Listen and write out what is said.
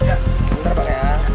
ya sebentar pak